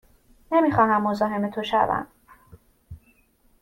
نمی خواهم مزاحم تو شوم.